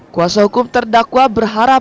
kuasa hukum terdakwa berharap